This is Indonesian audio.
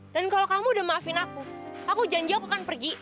dan kalau kamu udah maafin aku aku janji aku akan pergi